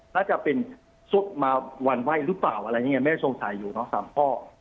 แล้วจะเป็นสุดมาวันไหวหรือเปล่าแม่มันสงสัยอยู่นะ๓ข้อ